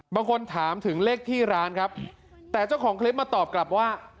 บางคนถามถึงเลขที่ร้านครับแต่เจ้าของคลิปมาตอบกลับว่า